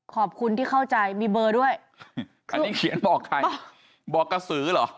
ขอบคุณที่เข้าใจมีเบอร์ด้วยอันนี้เขียนบอกใครบอกกระสือเหรอ